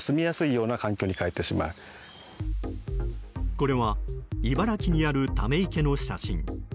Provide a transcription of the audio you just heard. これは茨城にあるため池の写真。